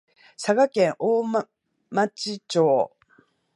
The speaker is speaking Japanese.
佐賀県大町町